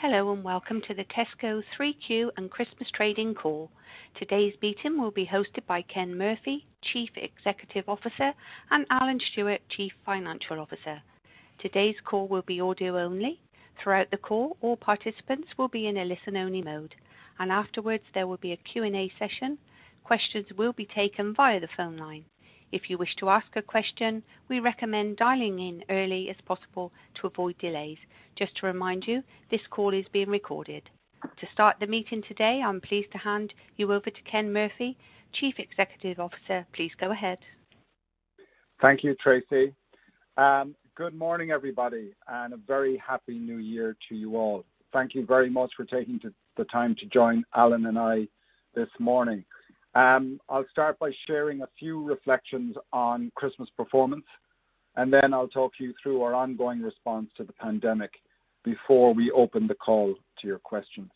Hello, and welcome to the Tesco Q3 and Christmas Trading Call. Today's meeting will be hosted by Ken Murphy, Chief Executive Officer, and Alan Stewart, Chief Financial Officer. Today's call will be audio only. Throughout the call, all participants will be in a listen-only mode. Afterwards, there will be a Q&A session. Questions will be taken via the phone line. If you wish to ask a question, we recommend dialing in early as possible to avoid delays. Just to remind you, this call is being recorded. To start the meeting today, I'm pleased to hand you over to Ken Murphy, Chief Executive Officer. Please go ahead. Thank you, Tracy. Good morning, everybody, and a very happy New Year to you all. Thank you very much for taking the time to join Alan and I this morning. I'll start by sharing a few reflections on Christmas performance, and then I'll talk you through our ongoing response to the pandemic before we open the call to your questions.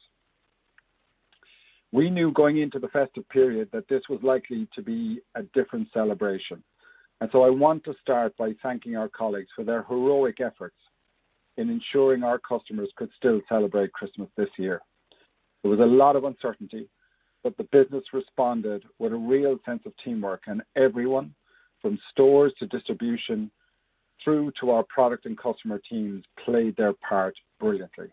We knew going into the festive period that this was likely to be a different celebration, and so I want to start by thanking our colleagues for their heroic efforts in ensuring our customers could still celebrate Christmas this year. There was a lot of uncertainty, but the business responded with a real sense of teamwork and everyone from stores to distribution, through to our product and customer teams, played their part brilliantly.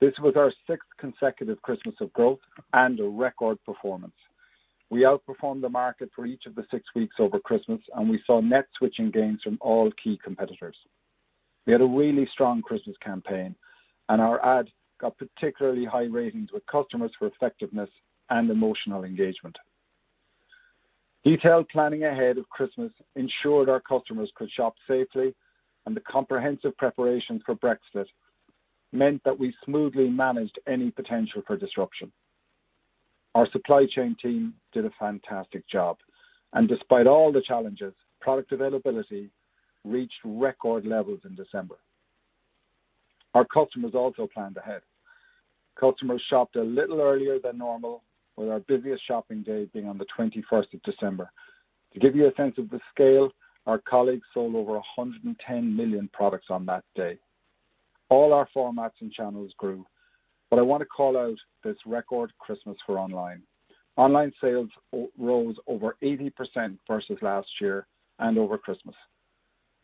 This was our sixth consecutive Christmas of growth and a record performance. We outperformed the market for each of the six weeks over Christmas, and we saw net switching gains from all key competitors. We had a really strong Christmas campaign, and our ad got particularly high ratings with customers for effectiveness and emotional engagement. Detailed planning ahead of Christmas ensured our customers could shop safely, and the comprehensive preparation for Brexit meant that we smoothly managed any potential for disruption. Our supply chain team did a fantastic job, and despite all the challenges, product availability reached record levels in December. Our customers also planned ahead. Customers shopped a little earlier than normal with our busiest shopping day being on the 21st of December. To give you a sense of the scale, our colleagues sold over 110 million products on that day. All our formats and channels grew, but I want to call out this record Christmas for online. Online sales rose over 80% versus last year, and over Christmas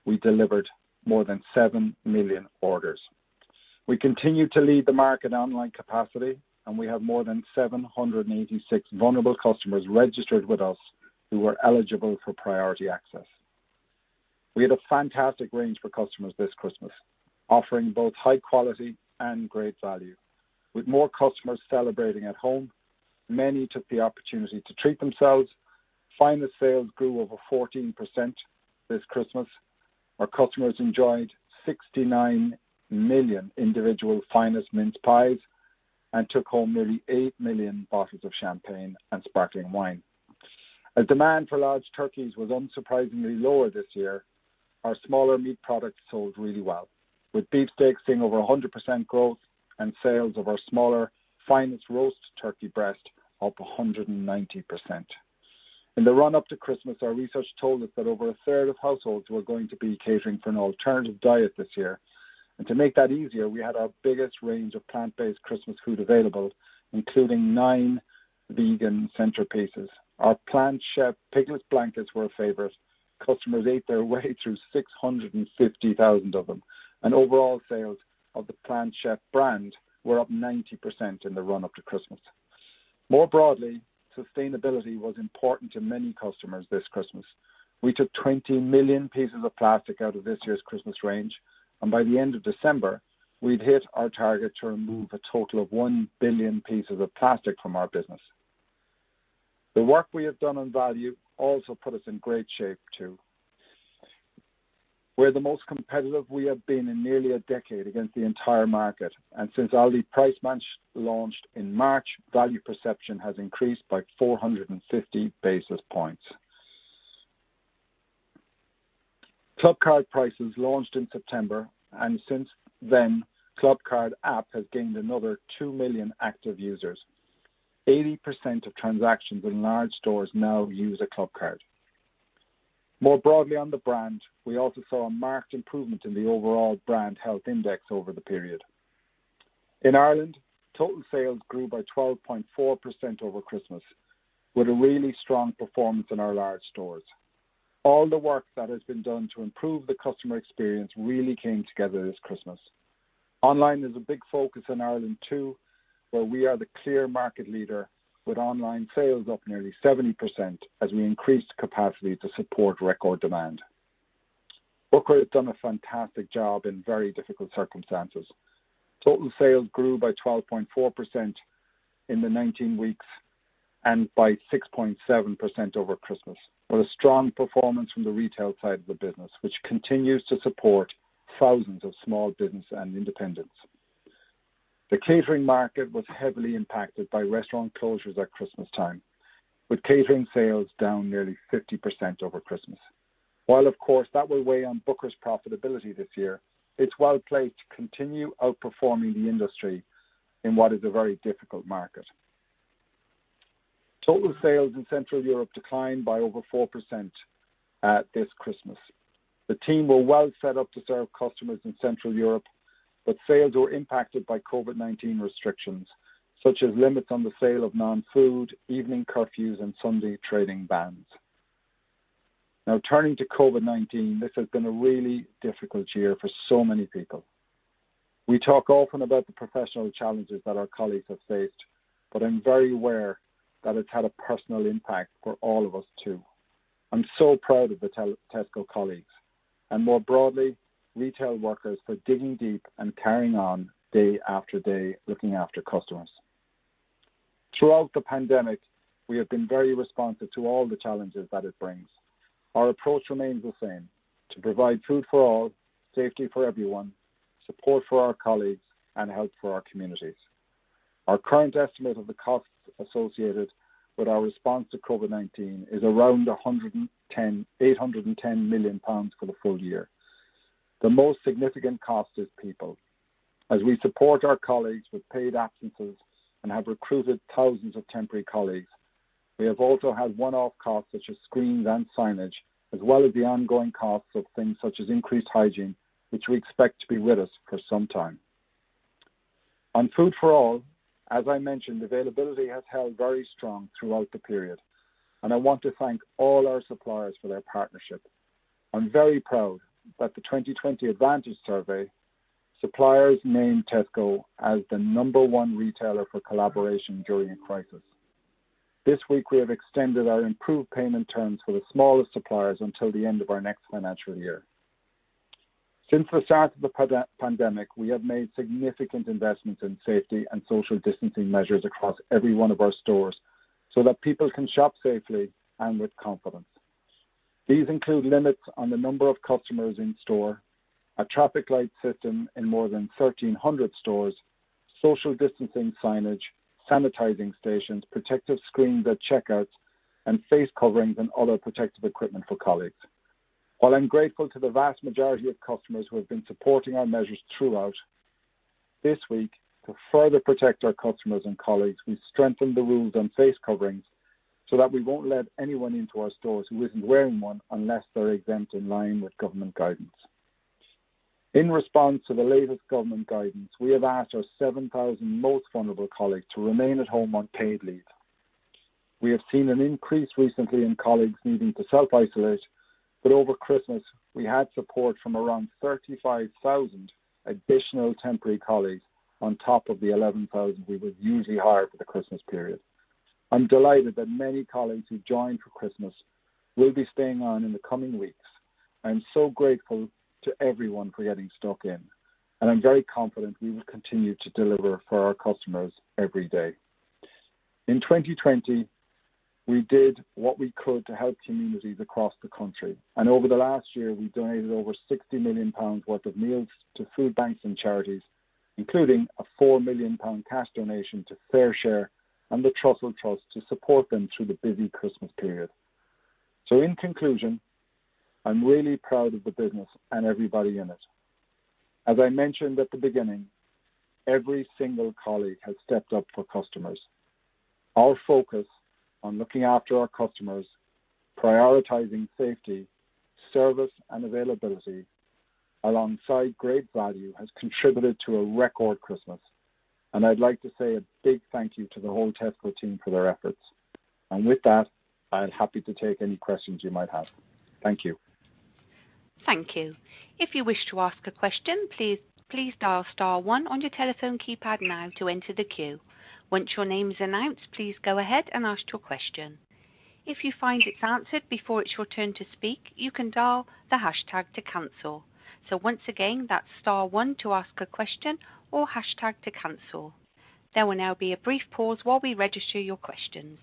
we delivered more than seven million orders. We continue to lead the market online capacity, and we have more than 786 vulnerable customers registered with us who are eligible for priority access. We had a fantastic range for customers this Christmas, offering both high quality and great value. With more customers celebrating at home, many took the opportunity to treat themselves. Finest sales grew over 14% this Christmas. Our customers enjoyed 69 million individual Finest mince pies and took home nearly eight million bottles of champagne and sparkling wine. As demand for large turkeys was unsurprisingly lower this year, our smaller meat products sold really well. With beef steaks seeing over 100% growth and sales of our smaller Finest roast turkey breast up 190%. In the run up to Christmas, our research told us that over a third of households were going to be catering for an alternative diet this year, and to make that easier, we had our biggest range of plant-based Christmas food available, including nine vegan centerpieces. Our Plant Chef pig in a blankets were a favorite. Customers ate their way through 650,000 of them. Overall sales of the Plant Chef brand were up 90% in the run up to Christmas. More broadly, sustainability was important to many customers this Christmas. We took 20 million pieces of plastic out of this year's Christmas range, and by the end of December, we'd hit our target to remove a total of 1 billion pieces of plastic from our business. The work we have done on value also put us in great shape too. We're the most competitive we have been in nearly a decade against the entire market, and since Aldi Price Match launched in March, value perception has increased by 450 basis points. Clubcard Prices launched in September, and since then, Clubcard app has gained another two million active users. 80% of transactions in large stores now use a Clubcard. More broadly on the brand, we also saw a marked improvement in the overall brand health index over the period. In Ireland, total sales grew by 12.4% over Christmas, with a really strong performance in our large stores. All the work that has been done to improve the customer experience really came together this Christmas. Online is a big focus in Ireland too, where we are the clear market leader with online sales up nearly 70% as we increased capacity to support record demand. Booker has done a fantastic job in very difficult circumstances. Total sales grew by 12.4% in the 19 weeks and by 6.7% over Christmas, with a strong performance from the retail side of the business, which continues to support thousands of small business and independents. The catering market was heavily impacted by restaurant closures at Christmas time, with catering sales down nearly 50% over Christmas. While of course that will weigh on Booker's profitability this year, it's well placed to continue outperforming the industry in what is a very difficult market. Total sales in Central Europe declined by over 4% this Christmas. The team were well set up to serve customers in Central Europe, but sales were impacted by COVID-19 restrictions, such as limits on the sale of non-food, evening curfews, and Sunday trading bans. Now turning to COVID-19, this has been a really difficult year for so many people. We talk often about the professional challenges that our colleagues have faced, but I'm very aware that it's had a personal impact for all of us, too. I'm so proud of the Tesco colleagues and more broadly, retail workers for digging deep and carrying on day after day, looking after customers. Throughout the pandemic, we have been very responsive to all the challenges that it brings. Our approach remains the same, to provide food for all, safety for everyone, support for our colleagues, and help for our communities. Our current estimate of the costs associated with our response to COVID-19 is around 810 million pounds for the full year. The most significant cost is people. As we support our colleagues with paid absences and have recruited thousands of temporary colleagues, we have also had one-off costs such as screens and signage, as well as the ongoing costs of things such as increased hygiene, which we expect to be with us for some time. On Food for All, as I mentioned, availability has held very strong throughout the period, and I want to thank all our suppliers for their partnership. I'm very proud that the 2020 Advantage Survey suppliers named Tesco as the number one retailer for collaboration during a crisis. This week, we have extended our improved payment terms for the smallest suppliers until the end of our next financial year. Since the start of the pandemic, we have made significant investments in safety and social distancing measures across every one of our stores so that people can shop safely and with confidence. These include limits on the number of customers in store, a traffic light system in more than 1,300 stores, social distancing signage, sanitizing stations, protective screens at checkouts, and face coverings and other protective equipment for colleagues. While I'm grateful to the vast majority of customers who have been supporting our measures throughout, this week, to further protect our customers and colleagues, we strengthened the rules on face coverings so that we won't let anyone into our stores who isn't wearing one unless they're exempt in line with government guidance. In response to the latest government guidance, we have asked our 7,000 most vulnerable colleagues to remain at home on paid leave. We have seen an increase recently in colleagues needing to self-isolate, but over Christmas, we had support from around 35,000 additional temporary colleagues on top of the 11,000 we would usually hire for the Christmas period. I'm delighted that many colleagues who joined for Christmas will be staying on in the coming weeks. I am so grateful to everyone for getting stuck in. I'm very confident we will continue to deliver for our customers every day. In 2020, we did what we could to help communities across the country. Over the last year, we donated over 60 million pounds worth of meals to food banks and charities, including a 4 million pound cash donation to FareShare and The Trussell Trust to support them through the busy Christmas period. In conclusion, I'm really proud of the business and everybody in it. As I mentioned at the beginning, every single colleague has stepped up for customers. Our focus on looking after our customers, prioritizing safety, service, and availability alongside great value, has contributed to a record Christmas. I'd like to say a big thank you to the whole Tesco team for their efforts. With that, I'm happy to take any questions you might have. Thank you. Thank you. If you wish to ask a question, please dial star one on your telephone keypad now to enter the queue. Once your name is announced, please go ahead and ask your question. If you find it's answered before it's your turn to speak, you can dial the hashtag to cancel. Once again, that's star one to ask a question or hashtag to cancel. There will now be a brief pause while we register your questions.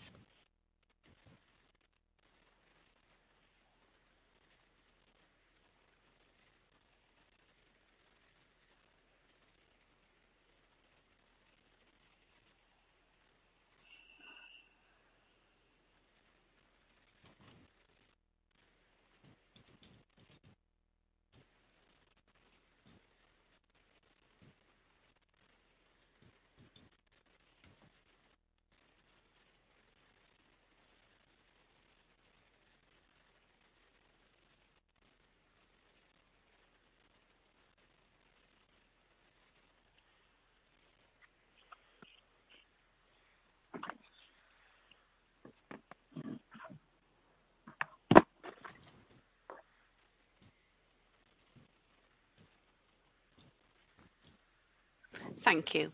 Thank you.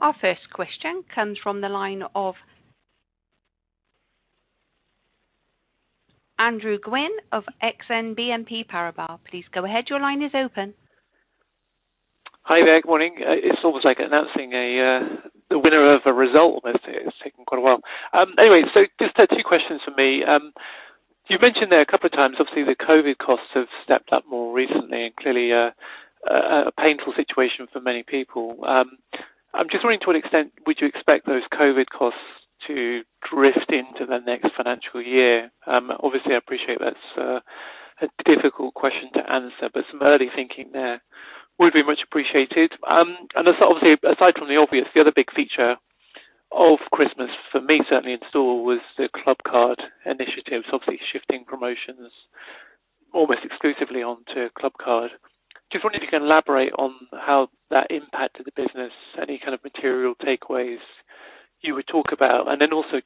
Our first question comes from the line of Andrew Gwynn of Exane BNP Paribas. Please go ahead. Your line is open. Hi there. Good morning. It's almost like announcing the winner of a result, almost. It's taken quite a while. Anyways, just two questions from me. You've mentioned there a couple of times, obviously, the COVID costs have stepped up more recently and clearly a painful situation for many people. I'm just wondering to what extent would you expect those COVID costs to drift into the next financial year? Obviously, I appreciate that's a difficult question to answer, but some early thinking there would be much appreciated. Obviously, aside from the obvious, the other big feature of Christmas for me, certainly in store, was the Clubcard initiative. Shifting promotions almost exclusively onto Clubcard. Just wondering if you can elaborate on how that impacted the business, any kind of material takeaways you would talk about,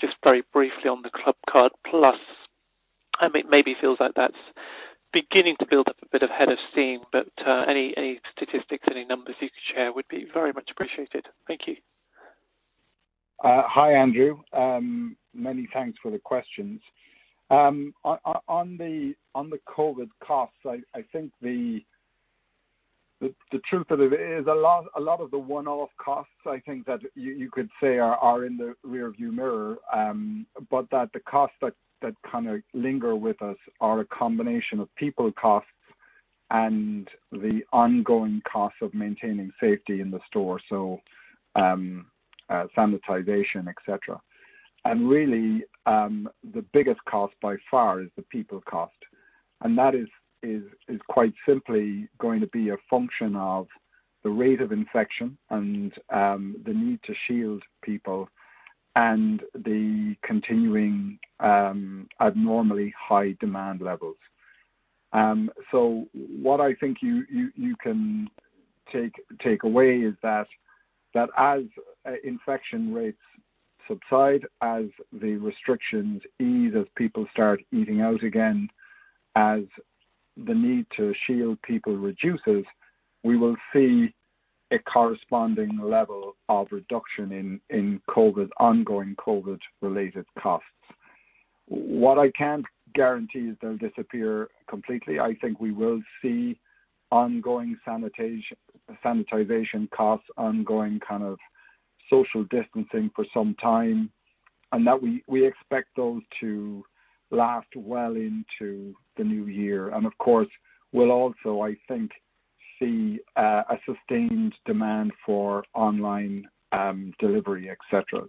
just very briefly on the Clubcard Plus. It maybe feels like that's beginning to build up a bit of head of steam, but any statistics, any numbers you could share would be very much appreciated. Thank you. Hi, Andrew. Many thanks for the questions. On the COVID costs, I think the truth of it is a lot of the one-off costs I think that you could say are in the rear view mirror, but that the costs that kind of linger with us are a combination of people costs and the ongoing cost of maintaining safety in the store, so sanitization, et cetera. Really, the biggest cost by far is the people cost. That is quite simply going to be a function of the rate of infection and the need to shield people and the continuing abnormally high demand levels. What I think you can take away is that as infection rates subside, as the restrictions ease, as people start eating out again, as the need to shield people reduces, we will see a corresponding level of reduction in ongoing COVID related costs. What I can't guarantee is they'll disappear completely. I think we will see ongoing sanitization costs, ongoing social distancing for some time, and that we expect those to last well into the new year. Of course, we'll also, I think, see a sustained demand for online delivery, et cetera.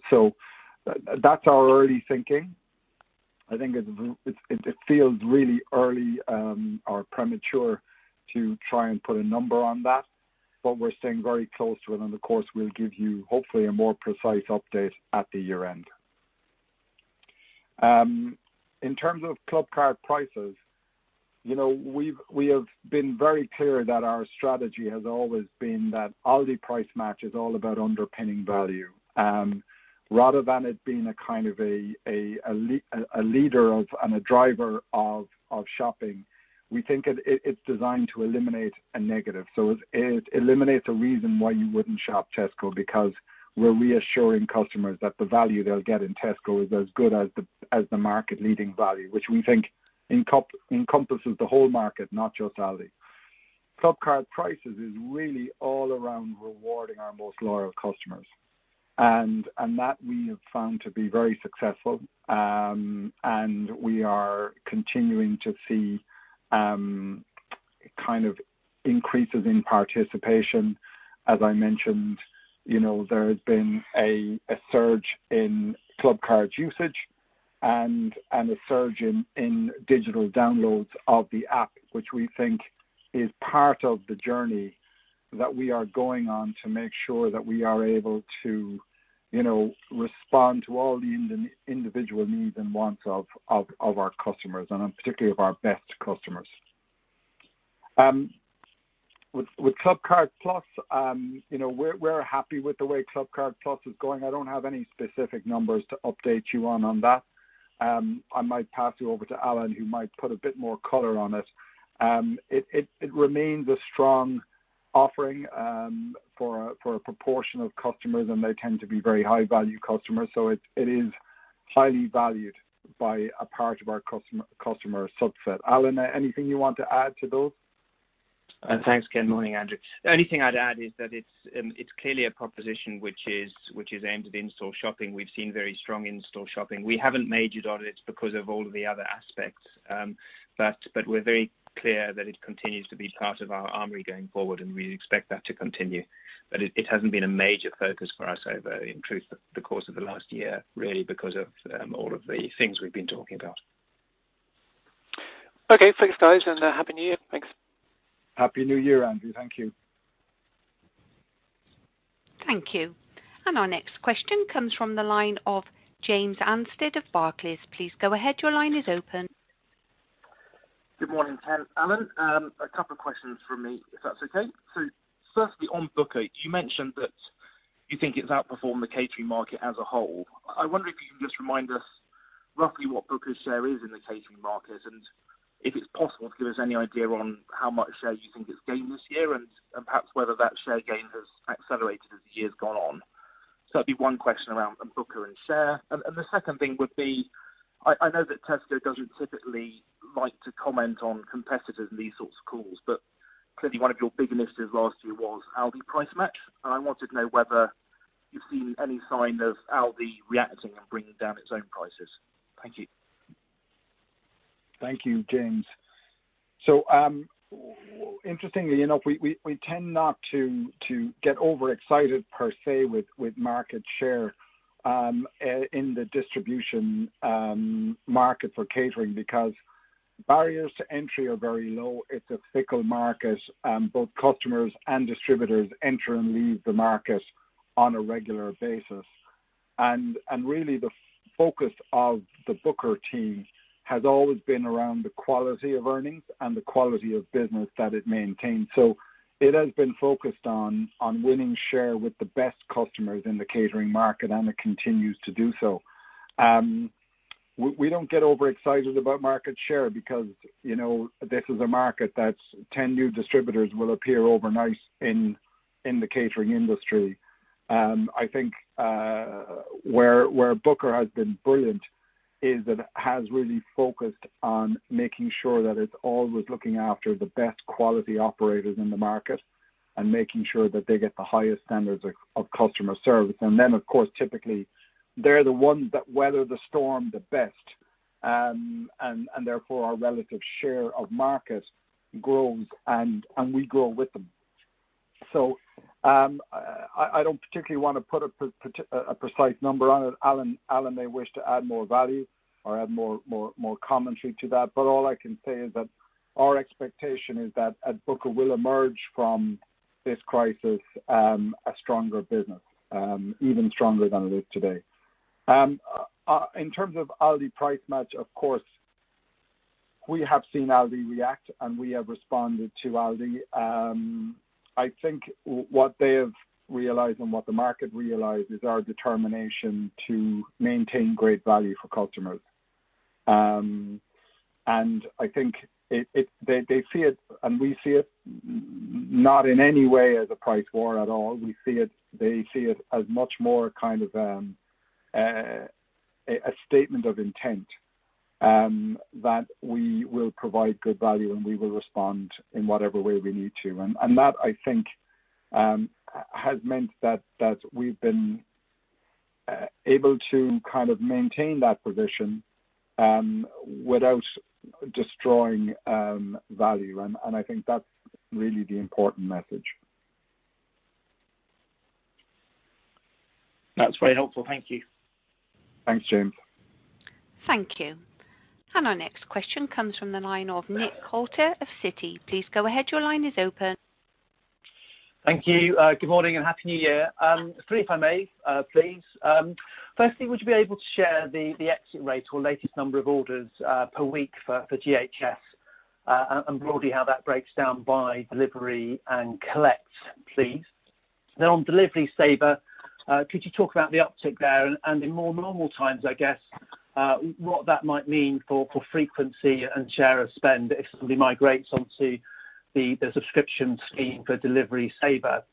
That's our early thinking. I think it feels really early or premature to try and put a number on that, but we're staying very close to it and of course, we'll give you hopefully a more precise update at the year-end. In terms of Clubcard Prices, we have been very clear that our strategy has always been that Aldi Price Match is all about underpinning value. Rather than it being a kind of a leader of and a driver of shopping, we think it's designed to eliminate a negative. It eliminates a reason why you wouldn't shop Tesco, because we're reassuring customers that the value they'll get in Tesco is as good as the market leading value, which we think encompasses the whole market, not just Aldi. Clubcard Prices is really all around rewarding our most loyal customers. That we have found to be very successful. We are continuing to see increases in participation. As I mentioned, there has been a surge in Clubcard usage and a surge in digital downloads of the app, which we think is part of the journey that we are going on to make sure that we are able to respond to all the individual needs and wants of our customers, and particularly of our best customers. With Clubcard Plus, we're happy with the way Clubcard Plus is going. I don't have any specific numbers to update you on on that. I might pass you over to Alan, who might put a bit more color on it. It remains a strong offering for a proportion of customers, and they tend to be very high value customers. It is highly valued by a part of our customer subset. Alan, anything you want to add to those? Thanks, Ken. Morning, Andrew. The only thing I'd add is that it's clearly a proposition which is aimed at in-store shopping. We've seen very strong in-store shopping. We haven't measured on it because of all of the other aspects. We're very clear that it continues to be part of our armory going forward, and we expect that to continue. It hasn't been a major focus for us over, in truth, the course of the last year, really because of all of the things we've been talking about. Okay. Thanks, guys, and Happy New Year. Thanks. Happy New Year, Andrew. Thank you. Thank you. Our next question comes from the line of James Anstead of Barclays. Please go ahead. Your line is open. Good morning, Ken, Alan. A couple of questions from me, if that's okay. Firstly, on Booker, you mentioned that you think it's outperformed the catering market as a whole. I wonder if you can just remind us roughly what Booker's share is in the catering market, and if it's possible to give us any idea on how much share you think it's gained this year and perhaps whether that share gain has accelerated as the year's gone on. That'd be one question around Booker and share. The second thing would be, I know that Tesco doesn't typically like to comment on competitors in these sorts of calls, but clearly one of your big initiatives last year was Aldi Price Match, and I wanted to know whether you've seen any sign of Aldi reacting and bringing down its own prices. Thank you. Thank you, James. Interestingly, we tend not to get overexcited per se with market share in the distribution market for catering because barriers to entry are very low. It's a fickle market. Both customers and distributors enter and leave the market on a regular basis. Really the focus of the Booker team has always been around the quality of earnings and the quality of business that it maintains. It has been focused on winning share with the best customers in the catering market, and it continues to do so. We don't get overexcited about market share because this is a market that 10 new distributors will appear overnight in the catering industry. I think where Booker has been brilliant is that it has really focused on making sure that it's always looking after the best quality operators in the market and making sure that they get the highest standards of customer service. Then, of course, typically, they're the ones that weather the storm the best. Therefore, our relative share of market grows, and we grow with them. I don't particularly want to put a precise number on it. Alan may wish to add more value or add more commentary to that. All I can say is that our expectation is that Booker will emerge from this crisis a stronger business, even stronger than it is today. In terms of Aldi Price Match, of course, we have seen Aldi react, and we have responded to Aldi. I think what they have realized and what the market realized is our determination to maintain great value for customers. I think they see it, and we see it, not in any way as a price war at all. They see it as much more kind of a statement of intent that we will provide good value, and we will respond in whatever way we need to. That, I think, has meant that we've been able to maintain that position without destroying value. I think that's really the important message. That's very helpful. Thank you. Thanks, James. Thank you. Our next question comes from the line of Nick Coulter of Citi. Please go ahead. Your line is open. Thank you. Good morning, and Happy New Year. Three if I may, please. Firstly, would you be able to share the exit rate or latest number of orders per week for GHS, and broadly how that breaks down by delivery and collect, please? On Delivery Saver, could you talk about the uptick there and in more normal times, I guess, what that might mean for frequency and share of spend if somebody migrates onto the subscription scheme for Delivery Saver?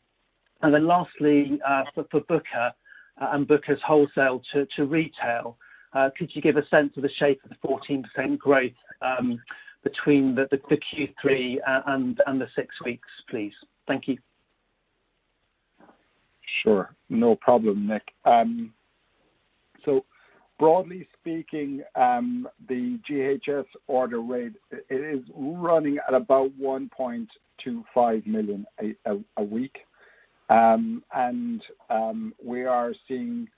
Lastly, for Booker and Booker's wholesale to retail, could you give a sense of the shape of the 14% growth between the Q3 and the six weeks, please? Thank you. Sure. No problem, Nick. Broadly speaking, the GHS order rate is running at about 1.25 million a week. We are seeing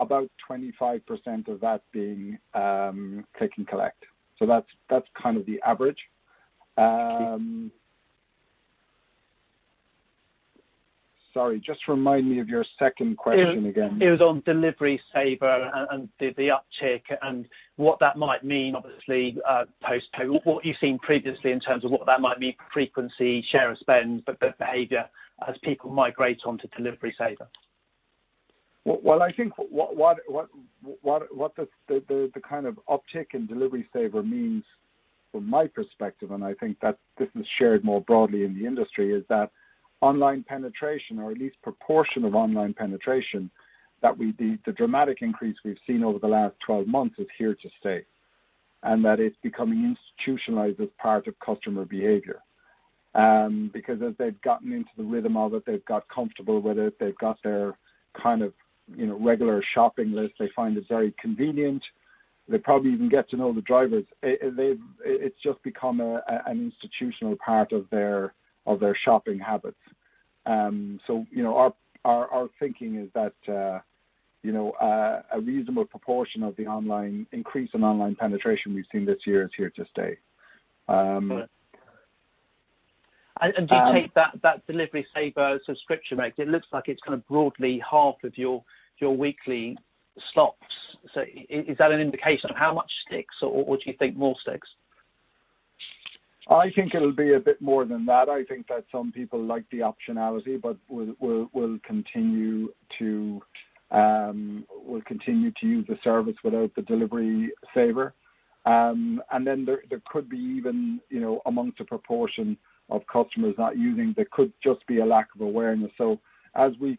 about 25% of that being click and collect. That's kind of the average. Thank you. Sorry, just remind me of your second question again. It was on Delivery Saver and the uptick and what that might mean, obviously, post-COVID. What you've seen previously in terms of what that might mean for frequency, share of spend, the behavior as people migrate onto Delivery Saver? Well, I think what the kind of uptick in Delivery Saver means from my perspective, and I think that this is shared more broadly in the industry, is that online penetration, or at least proportion of online penetration, that the dramatic increase we've seen over the last 12 months is here to stay, and that it's becoming institutionalized as part of customer behavior. As they've gotten into the rhythm of it, they've got comfortable with it, they've got their regular shopping list, they find it very convenient. They probably even get to know the drivers. It's just become an institutional part of their shopping habits. Our thinking is that a reasonable proportion of the increase in online penetration we've seen this year is here to stay. Do you take that Delivery Saver subscription rate, it looks like it's kind of broadly half of your weekly slots. Is that an indication of how much sticks, or do you think more sticks? I think it'll be a bit more than that. I think that some people like the optionality but will continue to use the service without the Delivery Saver. There could be even amongst a proportion of customers not using, there could just be a lack of awareness. As we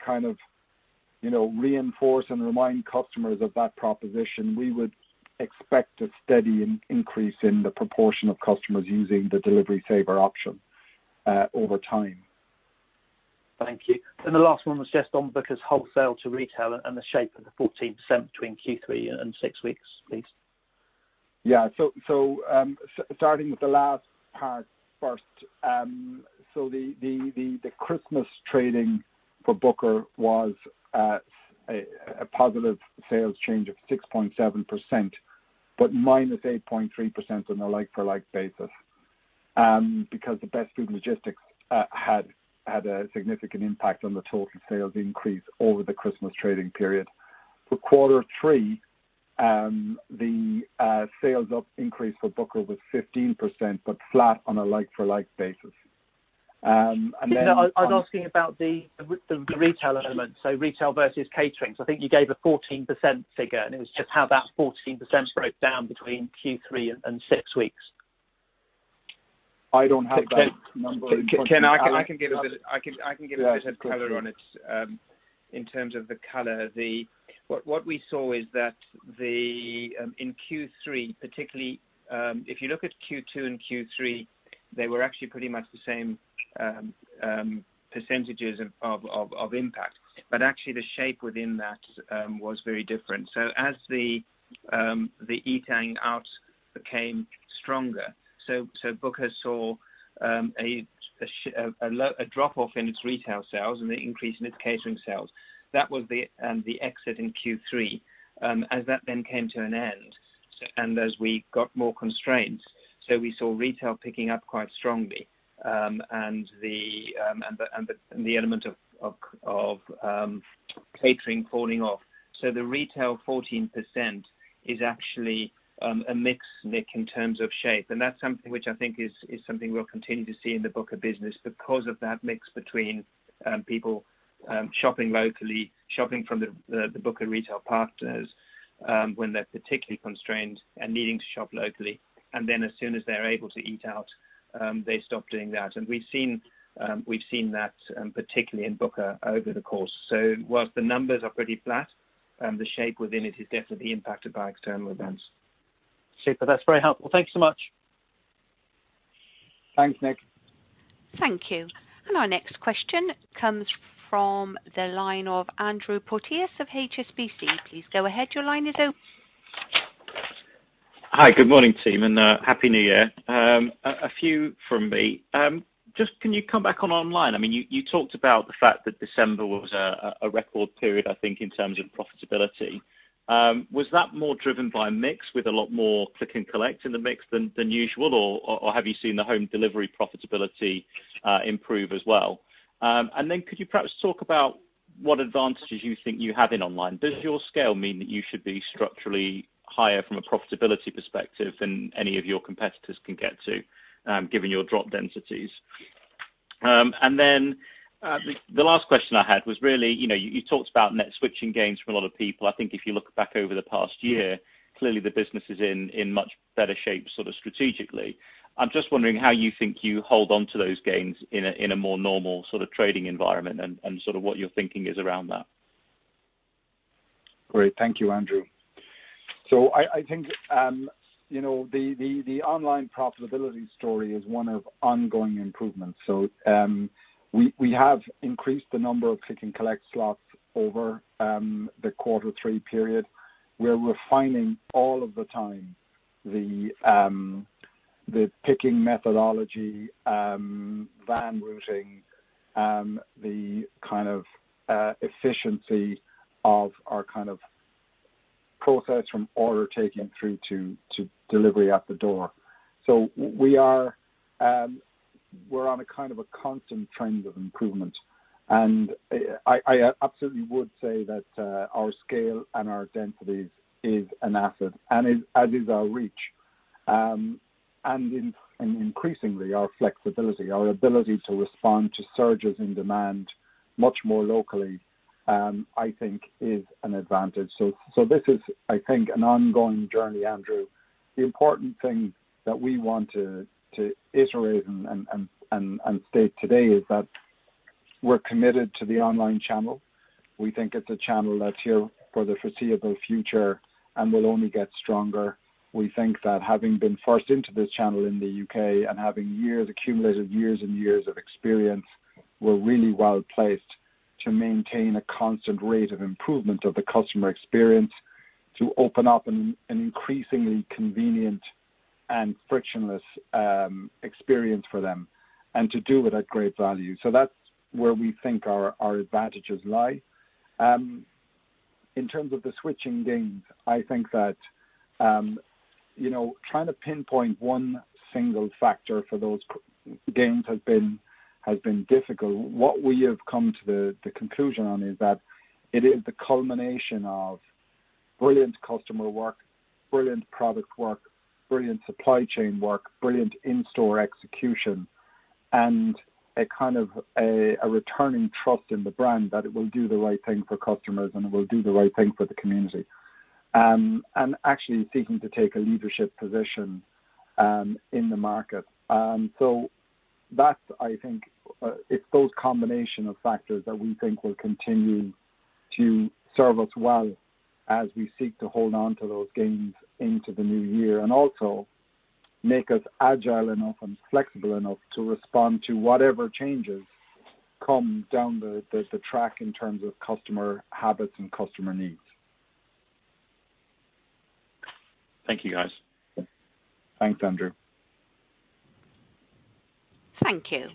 reinforce and remind customers of that proposition, we would expect a steady increase in the proportion of customers using the Delivery Saver option over time. Thank you. The last one was just on Booker's wholesale to retail and the shape of the 14% between Q3 and six weeks, please. Yeah. Starting with the last part first. The Christmas trading for Booker was at a positive sales change of 6.7%, but -8.3% on a like-for-like basis. The Best Food Logistics had a significant impact on the total sales increase over the Christmas trading period. For Q3, the sales increase for Booker was 15%, but flat on a like-for-like basis. No, I am asking about the retail element, so retail versus catering. I think you gave a 14% figure, and it was just how that 14% broke down between Q3 and six weeks. I don't have that number in front of me, Nick. Ken, I can give a bit of color on it. In terms of the color, what we saw is that in Q3 particularly, if you look at Q2 and Q3, they were actually pretty much the same percentage of impact. Actually the shape within that was very different. As the eating out became stronger, Booker saw a drop-off in its retail sales and an increase in its catering sales. That was the exit in Q3. As that then came to an end and as we got more constrained, we saw retail picking up quite strongly and the element of catering falling off. The retail 14% is actually a mix, Nick, in terms of shape. That's something which I think is something we'll continue to see in the Booker business because of that mix between people shopping locally, shopping from the Booker retail partners when they're particularly constrained and needing to shop locally. Then as soon as they're able to eat out, they stop doing that. We've seen that particularly in Booker over the course. Whilst the numbers are pretty flat, the shape within it is definitely impacted by external events. Sure. That's very helpful. Thank you so much. Thanks, Nick. Thank you. Our next question comes from the line of Andrew Porteous of HSBC. Please go ahead. Hi. Good morning, team. Happy New Year. A few from me. Just can you come back on online? You talked about the fact that December was a record period, I think, in terms of profitability. Was that more driven by mix with a lot more click and collect in the mix than usual, or have you seen the home delivery profitability improve as well? Could you perhaps talk about what advantages you think you have in online? Does your scale mean that you should be structurally higher from a profitability perspective than any of your competitors can get to, given your drop densities? The last question I had was really, you talked about net switching gains from a lot of people. I think if you look back over the past year, clearly the business is in much better shape strategically. I'm just wondering how you think you hold onto those gains in a more normal sort of trading environment and sort of what your thinking is around that? Great. Thank you, Andrew. I think the online profitability story is one of ongoing improvements. We have increased the number of click and collect slots over the Q3 period. We're refining all of the time the picking methodology, van routing, the kind of efficiency of our process from order taking through to delivery at the door. We're on a kind of a constant trend of improvement, and I absolutely would say that our scale and our densities is an asset and as is our reach. Increasingly our flexibility, our ability to respond to surges in demand much more locally, I think is an advantage. This is, I think, an ongoing journey, Andrew. The important thing that we want to iterate and state today is that we're committed to the online channel. We think it's a channel that's here for the foreseeable future and will only get stronger. We think that having been forced into this channel in the U.K. and having accumulated years and years of experience, we're really well-placed to maintain a constant rate of improvement of the customer experience, to open up an increasingly convenient and frictionless experience for them, and to do it at great value. That's where we think our advantages lie. In terms of the switching gains, I think that trying to pinpoint one single factor for those gains has been difficult. What we have come to the conclusion on is that it is the culmination of brilliant customer work, brilliant product work, brilliant supply chain work, brilliant in-store execution, and a kind of a returning trust in the brand that it will do the right thing for customers and it will do the right thing for the community. Actually seeking to take a leadership position in the market. That's, I think, it's those combination of factors that we think will continue to serve us well as we seek to hold onto those gains into the new year. Also make us agile enough and flexible enough to respond to whatever changes come down the track in terms of customer habits and customer needs. Thank you, guys. Thanks, Andrew. Thank you.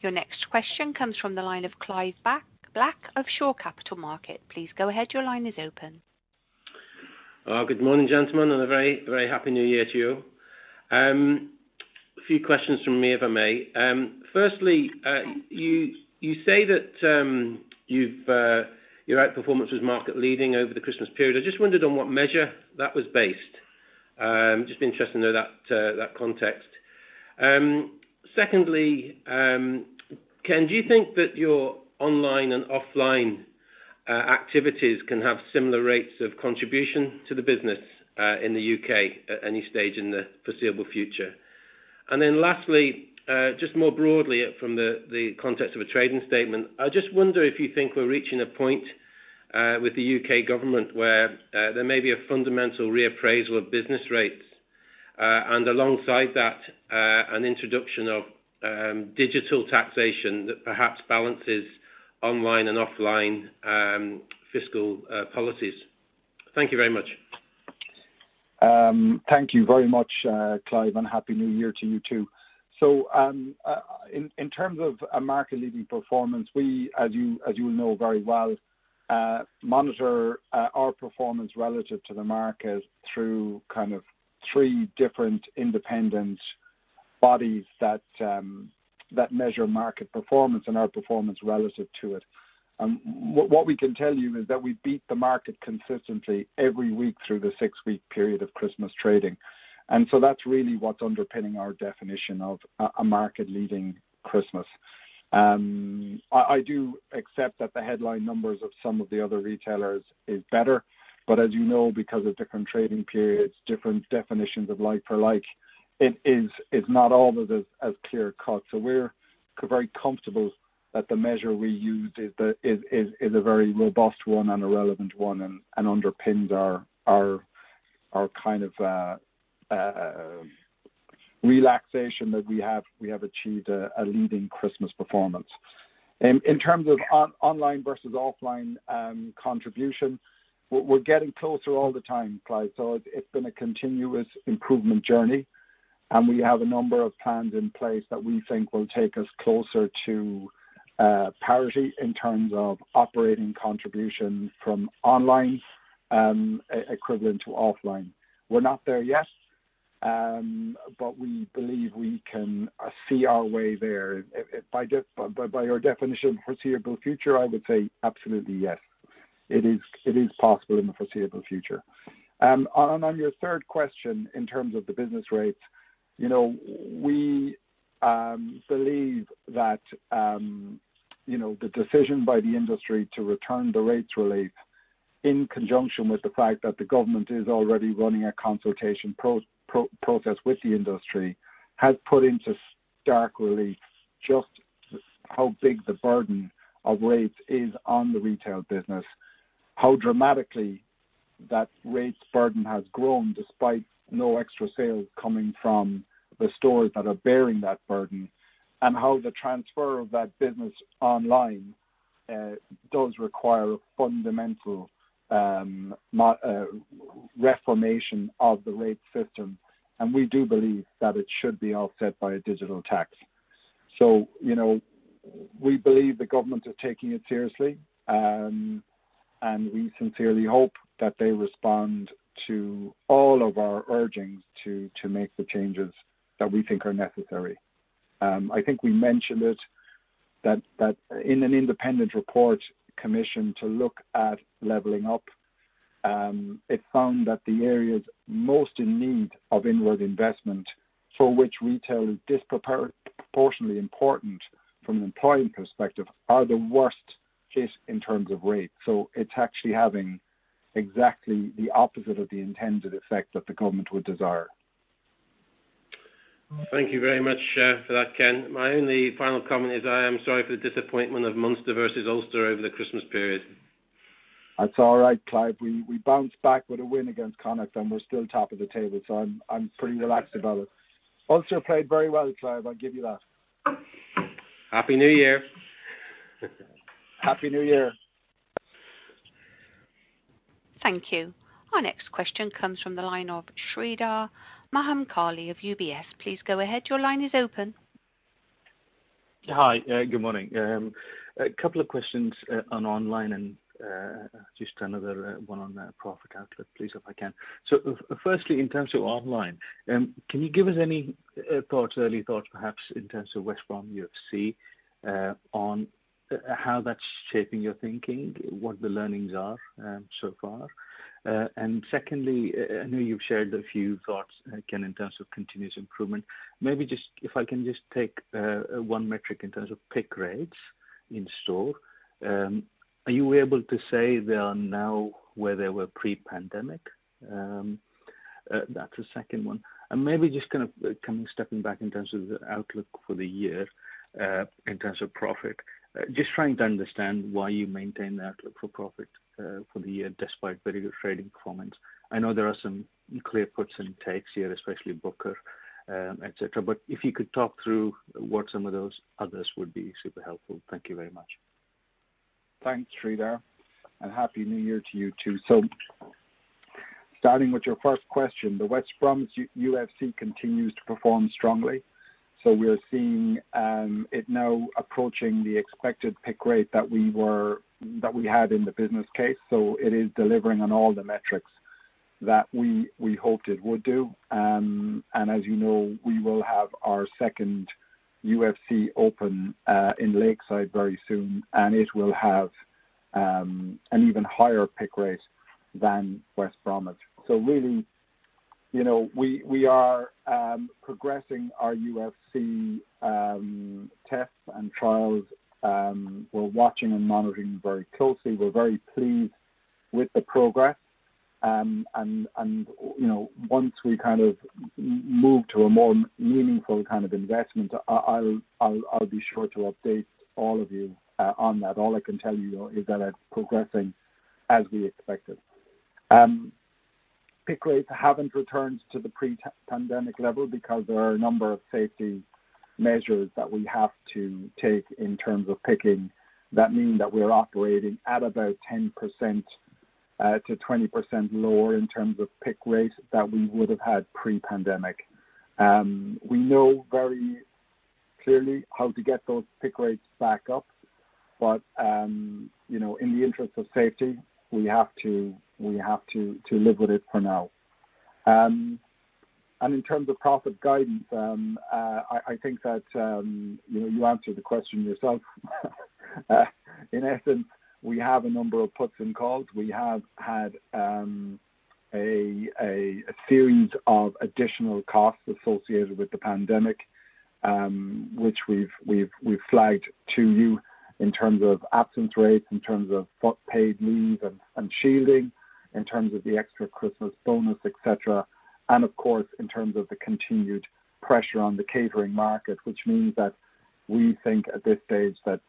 Your next question comes from the line of Clive Black of Shore Capital Markets. Please go ahead. Your line is open. Good morning, gentlemen, and a very happy New Year to you. A few questions from me, if I may. Firstly, you say that your outperformance was market leading over the Christmas period. I just wondered on what measure that was based. Just be interesting to know that context. Secondly, Ken, do you think that your online and offline activities can have similar rates of contribution to the business in the U.K. at any stage in the foreseeable future? Lastly, just more broadly from the context of a trading statement, I just wonder if you think we're reaching a point with the U.K. government where there may be a fundamental reappraisal of business rates, and alongside that, an introduction of digital taxation that perhaps balances online and offline fiscal policies. Thank you very much. Thank you very much, Clive, and Happy New Year to you, too. In terms of a market-leading performance, we, as you will know very well, monitor our performance relative to the market through three different independent bodies that measure market performance and our performance relative to it. What we can tell you is that we beat the market consistently every week through the six-week period of Christmas trading. That's really what's underpinning our definition of a market-leading Christmas. I do accept that the headline numbers of some of the other retailers is better, but as you know, because of different trading periods, different definitions of like for like, it's not always as clear cut. We're very comfortable that the measure we used is a very robust one and a relevant one and underpins our kind of a relaxation that we have achieved a leading Christmas performance. In terms of online versus offline contribution, we're getting closer all the time, Clive. It's been a continuous improvement journey, and we have a number of plans in place that we think will take us closer to parity in terms of operating contribution from online equivalent to offline. We're not there yet, but we believe we can see our way there. By your definition, foreseeable future, I would say absolutely yes. It is possible in the foreseeable future. On your third question, in terms of the business rates, we believe that the decision by the industry to return the rates relief, in conjunction with the fact that the government is already running a consultation process with the industry, has put into stark relief just how big the burden of rates is on the retail business, how dramatically that rates burden has grown despite no extra sales coming from the stores that are bearing that burden, and how the transfer of that business online does require a fundamental reformation of the rates system, and we do believe that it should be offset by a digital tax. We believe the government are taking it seriously, and we sincerely hope that they respond to all of our urgings to make the changes that we think are necessary. I think we mentioned it, that in an independent report commissioned to look at Levelling Up, it found that the areas most in need of inward investment, for which retail is disproportionately important from an employment perspective, are the worst case in terms of rates. It's actually having exactly the opposite of the intended effect that the government would desire. Thank you very much for that, Ken. My only final comment is I am sorry for the disappointment of Munster versus Ulster over the Christmas period. That's all right, Clive. We bounced back with a win against Connacht, and we're still top of the table, so I'm pretty relaxed about it. Ulster played very well, Clive, I'll give you that. Happy New Year. Happy New Year. Thank you. Our next question comes from the line of Sreedhar Mahamkali of UBS. Please go ahead. Your line is open. Hi. Good morning. A couple of questions on online and just another one on profit outlook, please, if I can. Firstly, in terms of online, can you give us any early thoughts, perhaps, in terms of West Bromwich UFC, on how that's shaping your thinking, what the learnings are so far? Secondly, I know you've shared a few thoughts, Ken, in terms of continuous improvement. Maybe if I can just take one metric in terms of pick rates in store. Are you able to say they are now where they were pre-pandemic? That's the second one. Maybe just kind of stepping back in terms of the outlook for the year, in terms of profit. Just trying to understand why you maintain that outlook for profit for the year despite very good trading performance. I know there are some clear puts and takes here, especially Booker, et cetera. If you could talk through what some of those others would be, super helpful. Thank you very much. Thanks, Sreedhar, and Happy New Year to you, too. Starting with your first question, the West Bromwich UFC continues to perform strongly. We're seeing it now approaching the expected pick rate that we had in the business case. It is delivering on all the metrics that we hoped it would do. As you know, we will have our second UFC open in Lakeside very soon, and it will have an even higher pick rate than West Bromwich. Really, we are progressing our UFC tests and trials. We're watching and monitoring very closely. We're very pleased with the progress. Once we move to a more meaningful kind of investment, I'll be sure to update all of you on that. All I can tell you though is that it's progressing as we expected. Pick rates haven't returned to the pre-pandemic level because there are a number of safety measures that we have to take in terms of picking. That means that we're operating at about 10%-20% lower in terms of pick rates that we would have had pre-pandemic. We know very clearly how to get those pick rates back up. In the interest of safety, we have to live with it for now. In terms of profit guidance, I think that you answered the question yourself. In essence, we have a number of puts and calls. We have had a series of additional costs associated with the pandemic, which we've flagged to you in terms of absence rates, in terms of paid leave and shielding, in terms of the extra Christmas bonus, et cetera. Of course, in terms of the continued pressure on the catering market, which means that we think at this stage that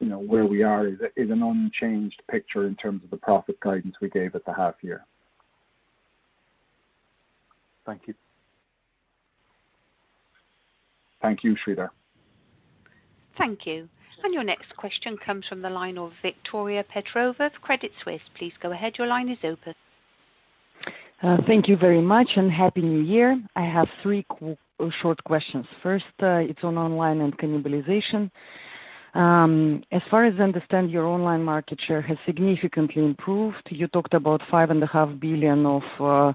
where we are is an unchanged picture in terms of the profit guidance we gave at the half year. Thank you. Thank you, Sreedhar. Thank you. Your next question comes from the line of Victoria Petrova of Credit Suisse. Please go ahead. Your line is open. Thank you very much, and Happy New Year. I have three short questions. First, it's on online and cannibalization. As far as I understand, your online market share has significantly improved. You talked about five and a half billion of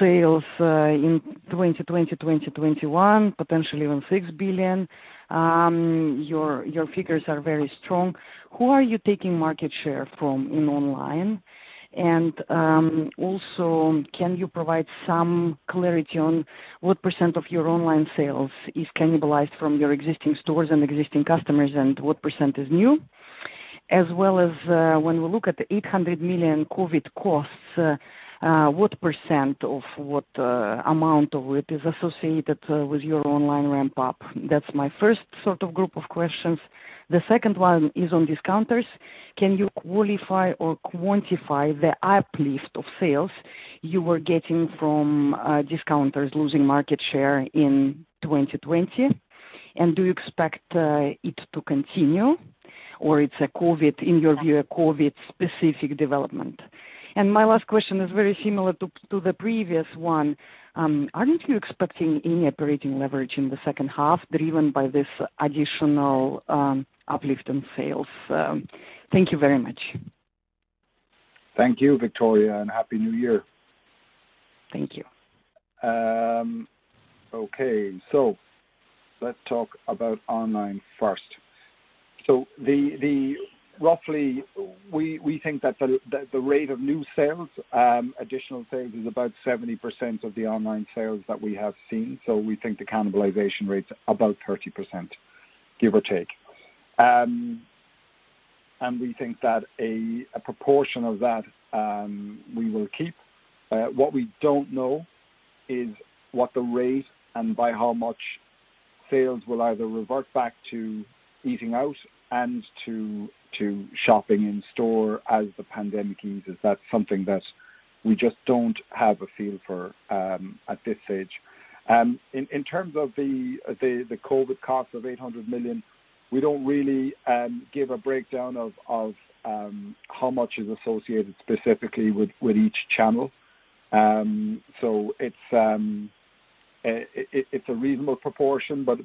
sales in 2020, 2021, potentially even 6 billion. Your figures are very strong. Who are you taking market share from in online? Also, can you provide some clarity on what percent of your online sales is cannibalized from your existing stores and existing customers, and what percent is new? As well as when we look at the 800 million COVID costs, what percent of what amount of it is associated with your online ramp-up? That's my first sort of group of questions. The second one is on discounters. Can you qualify or quantify the uplift of sales you were getting from discounters losing market share in 2020? Do you expect it to continue, or it's, in your view, a COVID-specific development? My last question is very similar to the previous one. Aren't you expecting any operating leverage in the second half driven by this additional uplift in sales? Thank you very much. Thank you, Victoria, and Happy New Year. Thank you. Okay. Let's talk about online first. Roughly, we think that the rate of new sales, additional sales is about 70% of the online sales that we have seen. We think the cannibalization rate's about 30%, give or take. We think that a proportion of that we will keep. What we don't know is what the rate and by how much sales will either revert back to eating out and to shopping in store as the pandemic eases. That's something that we just don't have a feel for at this stage. In terms of the COVID-19 cost of 800 million, we don't really give a breakdown of how much is associated specifically with each channel. It's a reasonable proportion, but